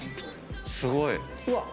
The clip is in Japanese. すごい。